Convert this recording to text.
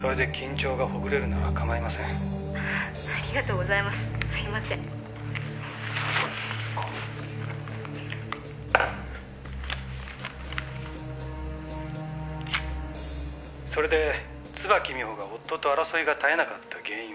「それで椿美穂が夫と争いが絶えなかった原因は？」